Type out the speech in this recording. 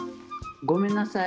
ごめんなさい。